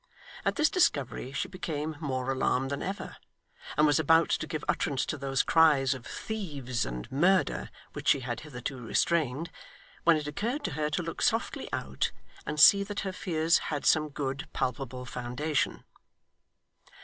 At this discovery she became more alarmed than ever, and was about to give utterance to those cries of 'Thieves!' and 'Murder!' which she had hitherto restrained, when it occurred to her to look softly out, and see that her fears had some good palpable foundation.